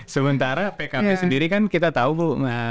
sementara pkb sendiri kan kita tahu bu